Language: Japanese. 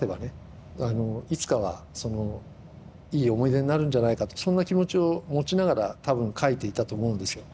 いつかはいい思い出になるんじゃないかとそんな気持ちを持ちながら多分描いていたと思うんですよ。